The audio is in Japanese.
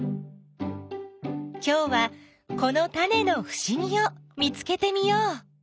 きょうはこのタネのふしぎを見つけてみよう。